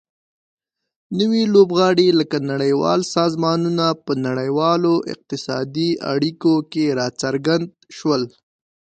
نوي لوبغاړي لکه نړیوال سازمانونه په نړیوالو اقتصادي اړیکو کې راڅرګند شول